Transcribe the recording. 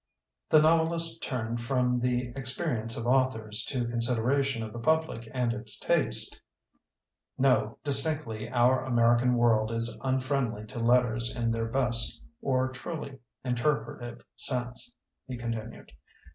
The novelist turned from the ex periences of authors to consideration of the public and its taste. "No, distinctly our American world is unfriendly to letters in their best or truly interpretative sense," he con tinued.